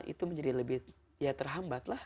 itu menjadi lebih ya terhambat lah